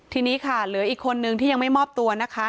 ทีนี้ค่ะเหลืออีกคนนึงที่ยังไม่มอบตัวนะคะ